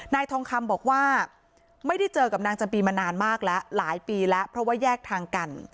ทองคำบอกว่าไม่ได้เจอกับนางจำปีมานานมากแล้วหลายปีแล้วเพราะว่าแยกทางกัน